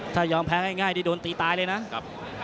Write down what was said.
ถ้ายอมแพ้ง่ายดีโดนตีตายเลยนะ